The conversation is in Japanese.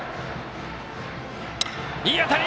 いい当たり！